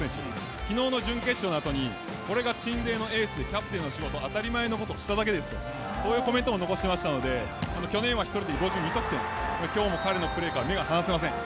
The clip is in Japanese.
昨日の準決勝の後にこれが鎮西のエースでキャプテンの仕事当たり前のことをしただけですとこういうコメントを残していたので今日も彼のプレーから目が離せません。